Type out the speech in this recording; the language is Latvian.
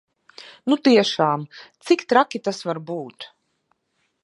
Nu tiešām, cik traki tas var būt?